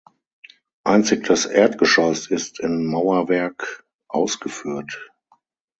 Einzig das Erdgeschoss ist in Mauerwerk ausgeführt.